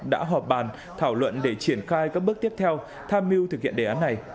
đã họp bàn thảo luận để triển khai các bước tiếp theo tham mưu thực hiện đề án này